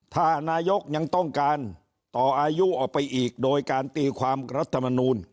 ถ้านายกยังต้องการต่ออายุออกไปอีกโดยการตีความรัฐมนูล